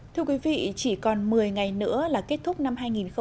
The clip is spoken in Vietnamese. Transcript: thưa quý vị chỉ còn một mươi ngày nữa là kết thúc năm hai nghìn hai mươi